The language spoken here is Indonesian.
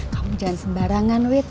kamu jangan sembarangan wit